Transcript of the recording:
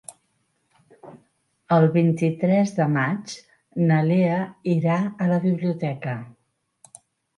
El vint-i-tres de maig na Lea irà a la biblioteca.